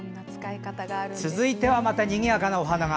続いてはまたにぎやかなお花が。